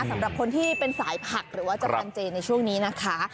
สำหรับคนที่เป็นสายผักหรือว่าจารันเจในช่วงนี้นะคะ